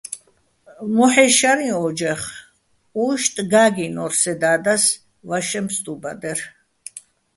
მოჰ̦ე́ შარიჼ ო́ჯახ, უჲშტი̆ გა́გჲინორ სე და́დას ვაშეჼ ფსტუბადერ.